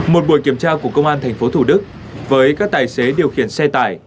một buổi kiểm tra của công an thành phố thủ đức với các tài xế điều khiển xe tải